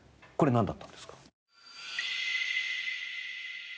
これなんだったんですか？